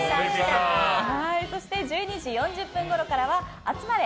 そして１２時４０分ごろからはあつまれ！